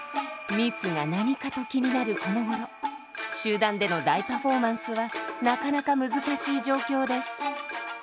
「密」が何かと気になるこのごろ集団での大パフォーマンスはなかなか難しい状況です。